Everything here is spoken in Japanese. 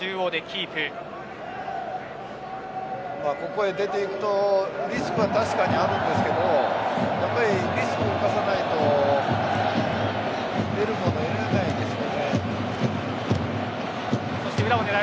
ここへ出て行くとリスクは確かにあるんですけどやっぱりリスクを冒さないと得るものは得られないですよね。